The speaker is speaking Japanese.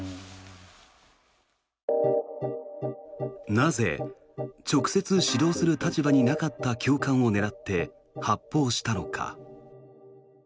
なぜ、直接指導する立場になかった教官を狙って発砲したのか。